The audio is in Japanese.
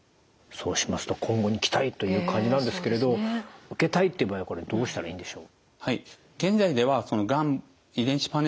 そうしますと今後に期待という感じなんですけれど受けたいっていう場合はこれどうしたらいいんでしょう？